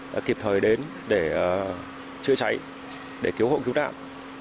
đã kịp thời đến để chữa cháy để cứu hộ cứu nạn